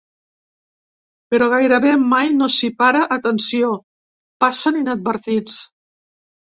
Però gairebé mai no s’hi para atenció, passen inadvertits.